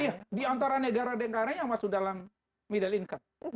iya diantara negara negara yang masuk dalam middle income